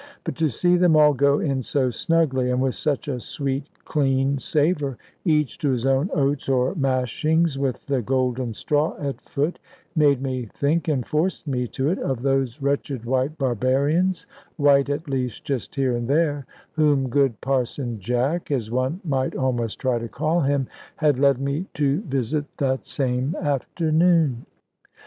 But to see them all go in so snugly, and with such a sweet, clean savour, each to his own oats or mashings, with the golden straw at foot, made me think, and forced me to it, of those wretched white barbarians (white, at least, just here and there), whom good Parson Jack as one might almost try to call him had led me to visit that same afternoon.